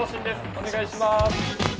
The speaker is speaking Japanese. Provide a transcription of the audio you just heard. お願いします。